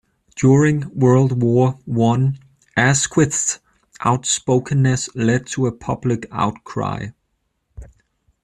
During World War One Asquith's outspokenness led to a public outcry.